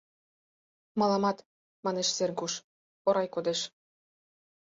— Мыламат! — манеш Сергуш, орай кодеш.